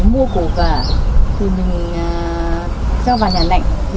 mua cổ cả thì mình cho vào nhà lạnh